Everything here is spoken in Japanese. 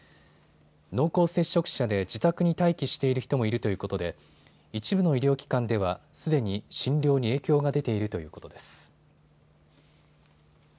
濃厚接触者で自宅に待機している人もいるということで一部の医療機関ではすでに診療に影響が出ているということです。